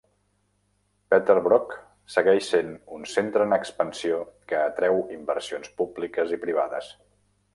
Peterborough segueix sent un centre en expansió que atreu inversions públiques i privades.